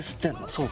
そう。